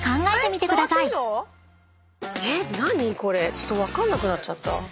ちょっと分かんなくなっちゃった。